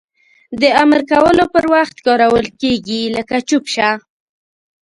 د امر کولو پر وخت کارول کیږي لکه چوپ شه!